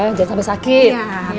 jangan sampai sakit